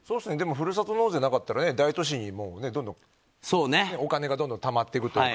ふるさと納税なかったら大都市にどんどんお金がどんどんたまっていくというか